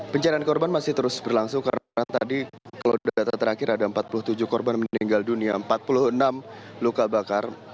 pencarian korban masih terus berlangsung karena tadi kalau data terakhir ada empat puluh tujuh korban meninggal dunia empat puluh enam luka bakar